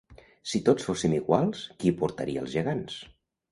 Si tots fóssim iguals, qui portaria els gegants?